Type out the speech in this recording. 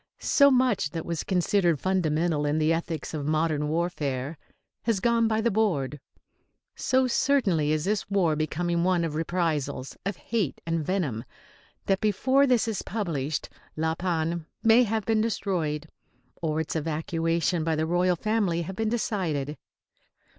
So much that was considered fundamental in the ethics of modern warfare has gone by the board; so certainly is this war becoming one of reprisals, of hate and venom, that before this is published La Panne may have been destroyed, or its evacuation by the royal family have been decided.